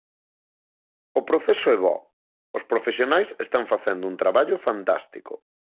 O proceso é bo, os profesionais están facendo un traballo fantástico.